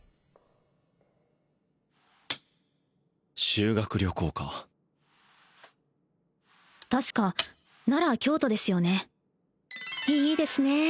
修学旅行か確か奈良・京都ですよねいいですねえ